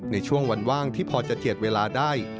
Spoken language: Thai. ในช่วงวันว่างที่พอจะเจียดเวลาได้